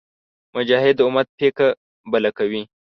مجاهد د امت پیکه بله کوي.